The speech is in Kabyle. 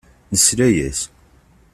Nesla-as.